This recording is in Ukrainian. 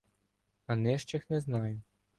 А нижчих не знаю.